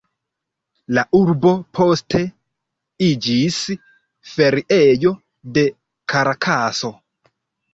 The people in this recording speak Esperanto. La urbo poste iĝis feriejo de Karakaso.